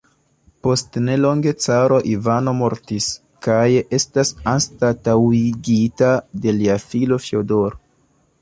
Post nelonge caro Ivano mortis kaj estas anstataŭigita de lia filo Fjodor.